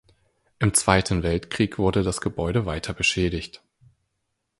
Im Zweiten Weltkrieg wurde das Gebäude weiter beschädigt.